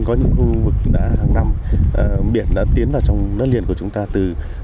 có những khu vực hàng năm biển đã tiến vào trong đất liền của chúng ta từ ba mươi